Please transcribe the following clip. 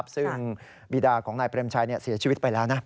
ซึ่งบีดาของนายเปรมชัยเสียชีวิตไปแล้วนะ